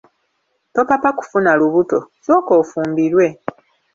Topapa kufuna lubuto, sooka ofumbirwe.